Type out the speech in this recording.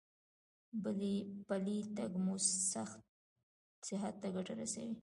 پلی تګ مو صحت ته ګټه رسوي.